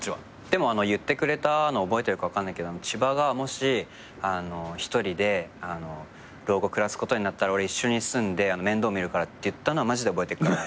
でも言ってくれたのを覚えてるか分かんないけど「千葉がもし１人で老後暮らすことになったら俺一緒に住んで面倒見るから」って言ったのはマジで覚えてるから。